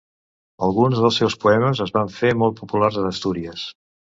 Alguns dels seus poemes es van fer molt populars a Astúries.